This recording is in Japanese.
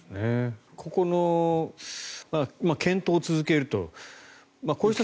ここの検討を続けるという。